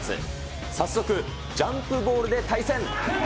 早速、ジャンプボールで対戦。